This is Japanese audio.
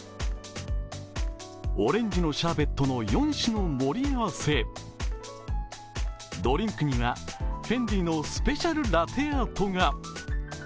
オレンジのシャーベットの４種の盛り合わせ、ドリンクには、ＦＥＮＤＩのスペシャルラテアートが。